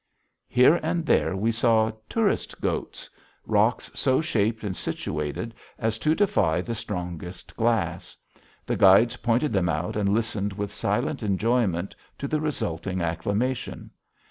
Here and there we saw "tourist goats," rocks so shaped and situated as to defy the strongest glass. The guides pointed them out and listened with silent enjoyment to the resulting acclamation.